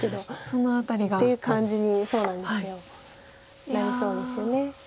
その辺りが。っていう感じになりそうですよね。